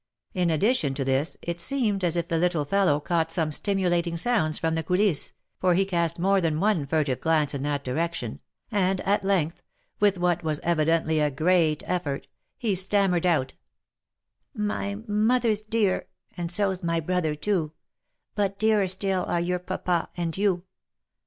In addition to this it seemed as if the little fellow caught some stimulating sounds from the coulisses, for he cast more than one furtive glance in that direction, and at length, with what was evidently a great effort, he stammered out, "My mother's dear, and so's my brother too, But dearer still are your papa and you.